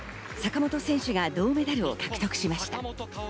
坂本選手が銅メダルを獲得しました。